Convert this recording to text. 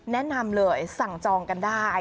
แนะนำเลยสั่งจองกันได้